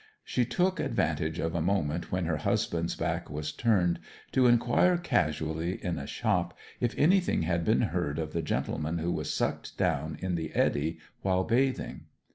She took advantage of a moment when her husband's back was turned to inquire casually in a shop if anything had been heard of the gentleman who was sucked down in the eddy while bathing.